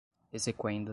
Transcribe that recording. exequenda